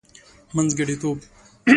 منځګړتوب.